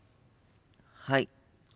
はい。